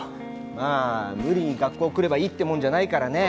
まあ無理に学校来ればいいってもんじゃないからね。